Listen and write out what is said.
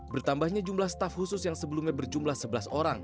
bertambahnya jumlah staf khusus yang sebelumnya berjumlah sebelas orang